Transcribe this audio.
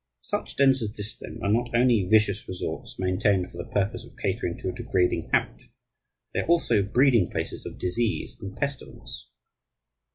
Such dens as this, then, are not only vicious resorts maintained for the purpose of catering to a degrading habit; they are also breeding places of disease and pestilence.